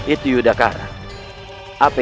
itu sudah kata kata saya